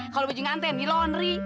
kalau baju nganten di laundry